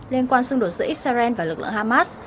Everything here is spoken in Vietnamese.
liên quan xung đột giữa israel và lực lượng hamas